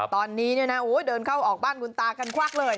ตอนนี้เนี่ยนะเดินเข้าออกบ้านคุณตากันควักเลย